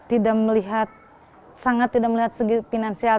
tidak melihat sangat tidak melihat segi finansial